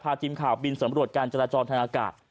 ทีมข่าวบินสำรวจการจราจรทางอากาศ